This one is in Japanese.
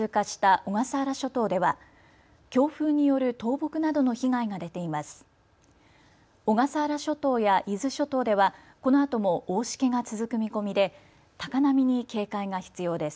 小笠原諸島や伊豆諸島ではこのあとも大しけが続く見込みで高波に警戒が必要です。